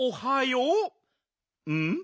うん？